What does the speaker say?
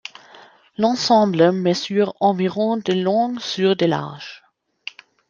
L'ensemble mesure environ de long sur de large.